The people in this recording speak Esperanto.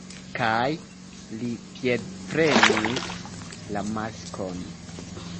kaj li piedpremis la maskon.